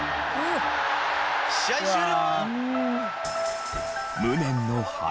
試合終了！